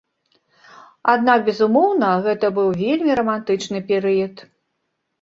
Аднак, безумоўна, гэта быў вельмі рамантычны перыяд.